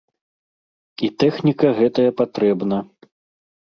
І тэхніка гэтая патрэбна.